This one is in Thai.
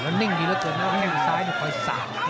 แล้วนิ่งอยู่แล้วจนแล้วนิ่งอยู่ซ้ายนี่ค่อยสั่ง